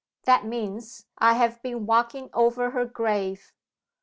That means I have been walking over her grave."